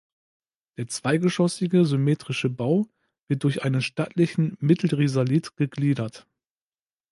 Der zweigeschossige, symmetrische Bau wird durch einen stattlichen Mittelrisalit gegliedert.